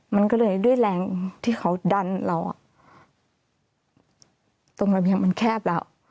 มันก็เลยด้วยแรงที่เขาดันเราตรงระเบียงมันแคบแล้ว